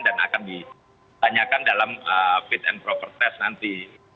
dan akan ditanyakan dalam fit and proper test nanti